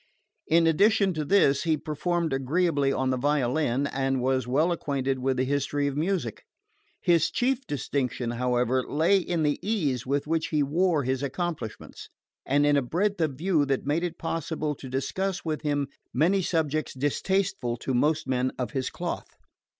In addition to this, he performed agreeably on the violin, and was well acquainted with the history of music. His chief distinction, however, lay in the ease with which he wore his accomplishments, and in a breadth of view that made it possible to discuss with him many subjects distasteful to most men of his cloth.